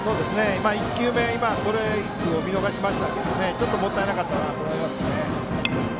１球目、ストライクを見逃しましたがちょっともったいなかったなと思いますね。